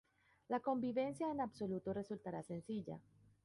La convivencia en absoluto resultará sencilla.